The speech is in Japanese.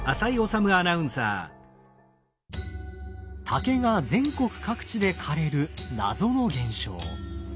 竹が全国各地で枯れる謎の現象。